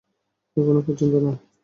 এখনও পর্যন্ত না।